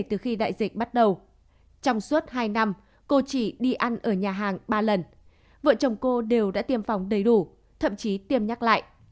trong suốt hai năm cô chỉ đi ăn ở nhà hàng ba lần vợ chồng cô đều đã tiêm phòng đầy đủ thậm chí tiêm nhắc lại